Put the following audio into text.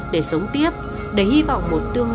để sống tiếp để hy vọng một tương lai tốt đẹp hơn